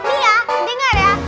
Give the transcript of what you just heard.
iya dengar ya